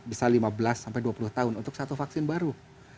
bisa lima belas sampai dua puluh tahun untuk satu vaksin baru